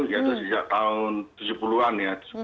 yaitu sejak tahun tujuh puluh an delapan puluh